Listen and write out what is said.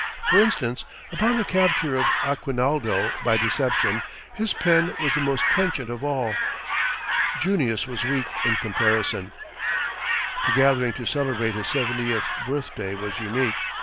For instance, upon the capture of Aguinaldo by deception, his pen was the most trenchant of all. Junius was weak in comparison. The gathering to celebrate his seventieth birthday was unique.